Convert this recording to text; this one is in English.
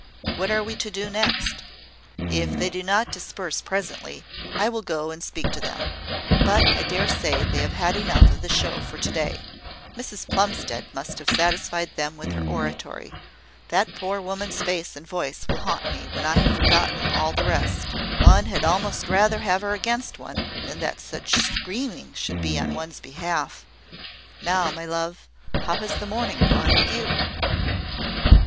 "What are we to do next?" "If they do not disperse presently, I will go and speak to them; but I dare say they have had enough of the show for to day: Mrs Plumstead must have satisfied them with oratory. That poor woman's face and voice will haunt me when I have forgotten all the rest. One had almost rather have her against one, than that such screaming should be on one's behalf. Now, my love, how has the morning gone with you?"